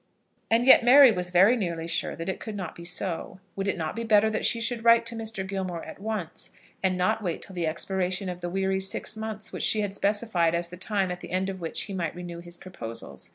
And yet Mary was very nearly sure that it could not be so. Would it not be better that she should write to Mr. Gilmore at once, and not wait till the expiration of the weary six months which he had specified as the time at the end of which he might renew his proposals?